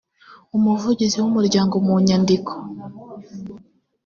umuvugizi w umuryango mu nyandiko